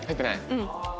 うん。